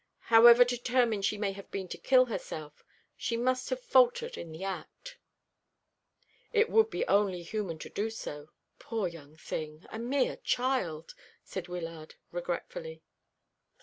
However determined she may have been to kill herself, she must have faltered in the act." "It would be only human to do so. Poor young thing a mere child!" said Wyllard regretfully.